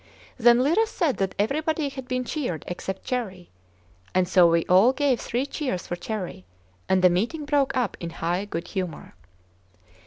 Then Lyra said that everybody had been cheered except Cherrie; and so we all gave three cheers for Cherrie, and the meeting broke up in high good humor.